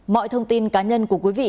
mọi thông tin cá nhân của quý vị